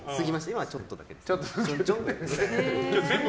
今はちょっとだけです。